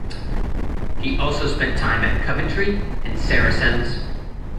He also spent time at Coventry and Saracens.